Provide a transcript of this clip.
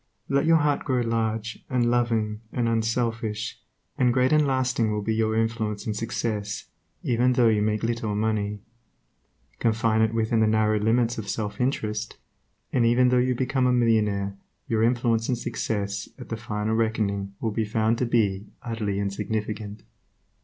Let your heart grow large and loving and unselfish, and great and lasting will be your influence and success, even though you make little money. Confine it within the narrow limits of self interest, and even though you become a millionaire your influence and success, at the final reckoning will be found to be utterly insignificant.